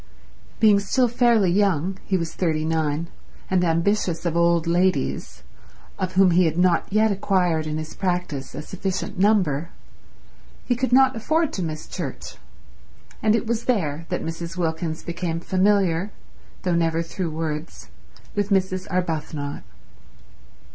Being still fairly young—he was thirty nine—and ambitious of old ladies, of whom he had not yet acquired in his practice a sufficient number, he could not afford to miss church, and it was there that Mrs. Wilkins became familiar, though never through words, with Mrs. Arbuthnot.